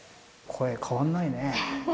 声変わんないね。